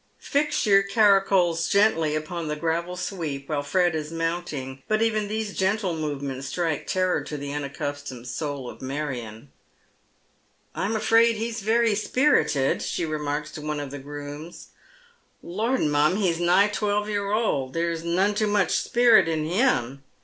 Fixture caracoles fCently upon the gravel sweep wliile Fred is mounting, but even tliese frentle movements strike teiTor to the unaccustomed soul of Marion. " I'm afraid he's very spirited," she remarks to one of the grooms. *' liord, mum, he's nigh twelve year old, there's none too much Tilherry SteeplechoM, 203 «pcrnt in him.